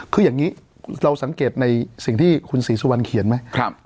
คืออย่างนี้เราสังเกตในสิ่งที่คุณศรีสุวรรณเขียนไหม